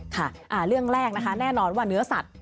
ค่ะเรื่องแรกนะคะแน่นอนว่าเนื้อสัตว